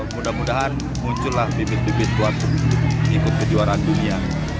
mudah mudahan muncullah bibit bibit buat ikut kejuaraan dunia